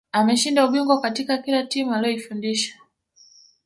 ameshinda ubingwa katika kila timu aliyoifundisha